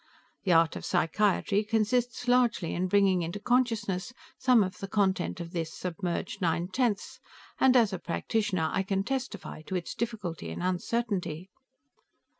The art of psychiatry consists largely in bringing into consciousness some of the content of this submerged nine tenths, and as a practitioner I can testify to its difficulty and uncertainty.